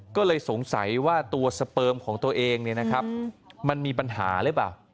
ก็เลยสงสัยว่าตัวสเปิมของตัวเองมันมีปัญหาหรือเปล่า